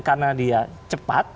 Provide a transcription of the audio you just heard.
karena dia cepat